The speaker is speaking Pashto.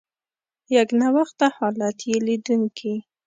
یکنواخته حالت یې لیدونکي.